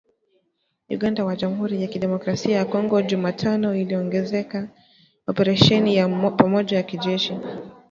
Uganda na Jamhuri ya Kidemokrasia ya Kongo Jumatano ziliongeza operesheni ya pamoja ya kijeshi.